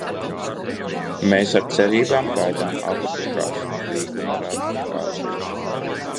Mēs ar cerībām gaidām atlikušās līguma ratifikācijas.